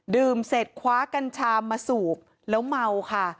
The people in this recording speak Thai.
เสร็จคว้ากัญชามาสูบแล้วเมาค่ะ